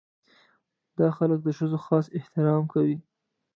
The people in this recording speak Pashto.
دا خلک د ښځو خاص احترام کوي.